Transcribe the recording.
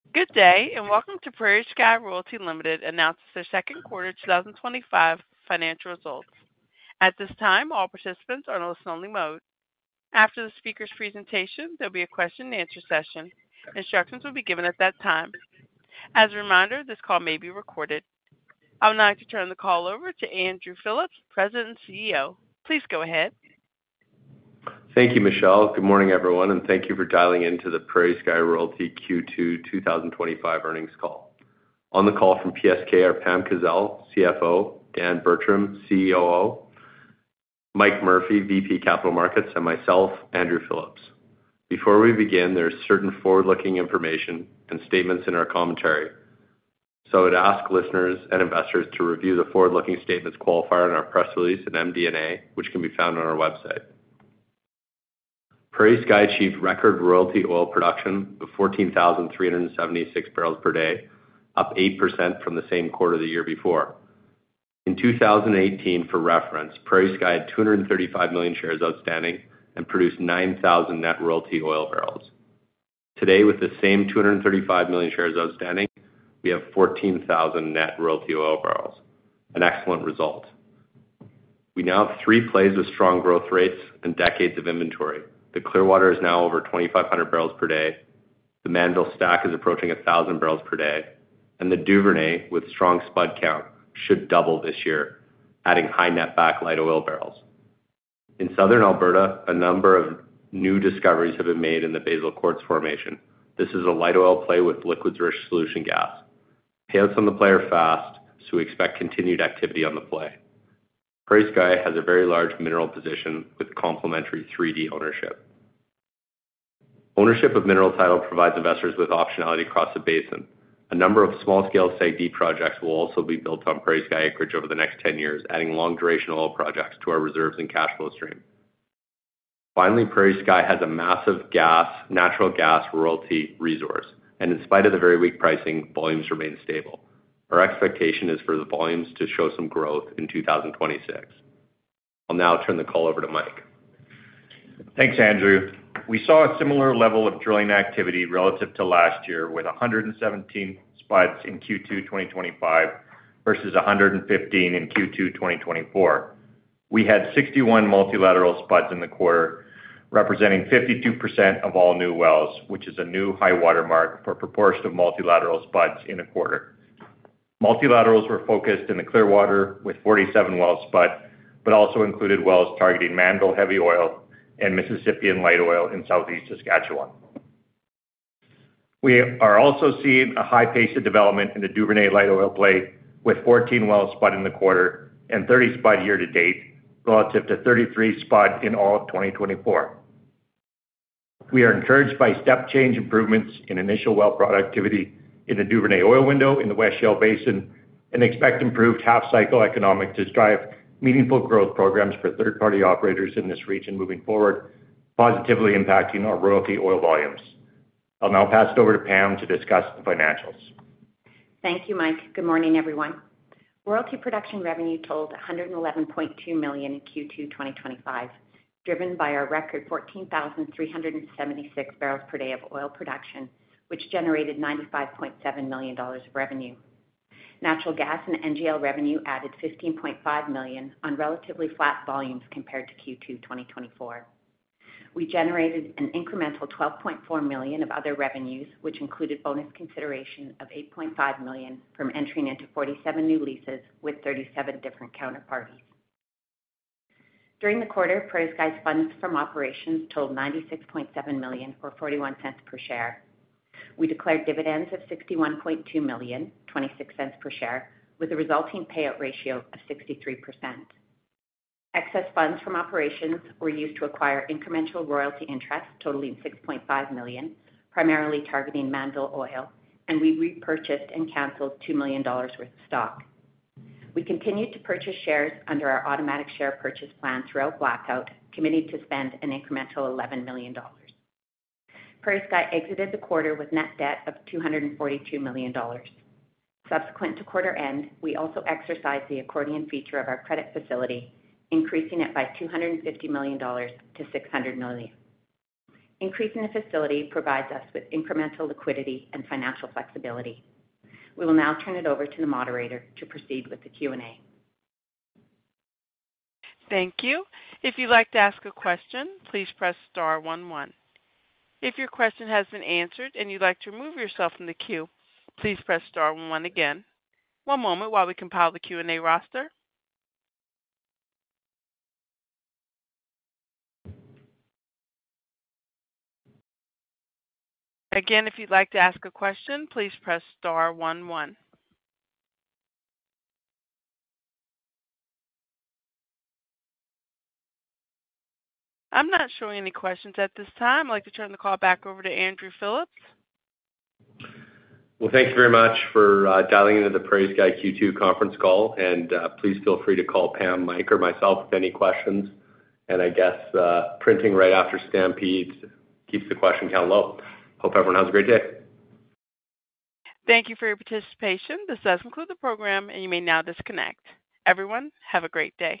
Good day and welcome to PrairieSky Royalty Ltd announces their second quarter 2025 financial results. At this time all participants are in a listen-only mode. After the speaker's presentation there will be a question-and-answer session. Instructions will be given at that time. As a reminder, this call may be recorded. I would like to turn the call over to Andrew Phillips, President and CEO. Please go ahead. Thank you, Michelle. Good morning, everyone, and thank you for dialing in to the PrairieSky Royalty Ltd. Q2 2025 earnings call. On the call from PrairieSky are Pamela Kazeil, CFO, Dan Bertram, CCO, Mike Murphy, VP, Capital Markets, and myself, Andrew Phillips. Before we begin, there are certain forward-looking information and statements in our commentary, so I would ask listeners and investors to review the forward-looking statements qualified in our press release and MD&A, which can be found on our website. PrairieSky achieved record royalty oil production of 14,376 barrels per day, up 8% from the same quarter the year before. In 2018, for reference, PrairieSky had 235 million shares outstanding and produced 9,000 net royalty oil barrels. Today, with the same 235 million shares outstanding, we have 14,000 net royalty oil barrels, an excellent result. We now have three plays of strong growth rates and decades of inventory. The Clearwater is now over 2,500 barrels per day, the Mannville Stack is approaching 1,000 barrels per day, and the Duvernay, with a strong spud count, should double this year, adding high netback light oil barrels. In Southern Alberta, a number of new discoveries have been made in the Basal Quartz formation. This is a light oil play with liquids-rich solution. Gas payouts on the play are fast, so we expect continued activity on the play. PrairieSky has a very large mineral position with complementary 3D ownership. Ownership of mineral title provides investors with optionality across the basin. A number of small-scale SEG D projects will also be built on PrairieSky acreage over the next 10 years, adding long-duration oil projects to our reserves and cash flow stream. Finally, PrairieSky has a massive natural gas royalty resource, and in spite of the very weak pricing, volumes remain stable. Our expectation is for the volumes to show some growth in 2026. I'll now turn the call over to Mike. Thanks Andrew. We saw a similar level of drilling activity relative to last year with 117 spuds in Q2 2025 versus 115 in Q2 2024. We had 61 multilateral spuds in the quarter, representing 52% of all new wells, which is a new high water mark for proportion of multilateral spuds in a quarter. Multilaterals were focused in the Clearwater with 47 wells spud, but also included wells targeting Mannville Heavy Oil and Mississippian Light Oil in Southeast Saskatchewan. We are also seeing a high pace of development in the Duvernay Light Oil play with 14 wells spud in the quarter and 30 spud year to date relative to 33 spud in all of 2024. We are encouraged by step change improvements in initial well productivity in the Duvernay Oil window in the West Shale Basin and expect improved half-cycle economics to drive meaningful growth programs for third-party operators in this region moving forward, positively impacting our royalty oil volumes. I'll now pass it over to Pam to discuss the financials. Thank you, Mike. Good morning, everyone. Royalty production revenue totaled $1.2 million in Q2 2025, driven by our record 14,376 barrels per day of oil production, which generated $95.7 million of revenue. Natural gas and NGL revenue added $15.5 million on relatively flat volumes. Compared to Q2 2024, we generated an incremental $12.4 million of other revenues, which included bonus consideration of $8.5 million from entering into 47 new leases with 37 different counterparties. During the quarter, PrairieSky's funds from operations totaled $96.7 million, or $0.41 per share. We declared dividends of $61.2 million, $0.26 per share, with a resulting payout ratio of 63%. Excess funds from operations were used to acquire incremental royalty interests totaling $6.5 million, primarily targeting Mannville Oil, and we repurchased and cancelled $2 million worth of stock. We continued to purchase shares under our automatic share purchase plan throughout blackout, committing to spend an incremental $11 million. PrairieSky exited the quarter with net debt of $242 million. Subsequent to quarter end, we also exercised the accordion feature of our credit facility, increasing it by $250 million-$600 million. Increasing the facility provides us with incremental liquidity and financial flexibility. We will now turn it over to the moderator to proceed with the. Thank you. If you'd like to ask a question, please press star one one. If your question has been answered and you'd like to remove yourself from the queue, please press star one one again. One moment while we compile the Q&A roster. Again, if you'd like to ask a question, please press star one one. I'm not showing any questions at this time. I'd like to turn the call back over to Andrew Phillips. Thank you very much for dialing into the PrairieSky Q2 conference call, and please feel free to call Pam, Mike, or myself with any questions. I guess printing right after Stampede keeps the question count low. Hope everyone has a great day. Thank you for your participation. This does conclude the program, and you may now disconnect. Everyone have a great day.